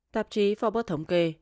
tạp chí forbes thống kê